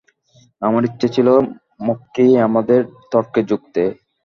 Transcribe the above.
আমার ইচ্ছে ছিল মক্ষী আমাদের তর্কে যোগ দেয়।